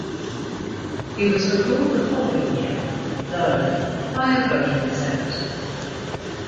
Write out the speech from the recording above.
He was recalled the following year, though, by a vote of the senate.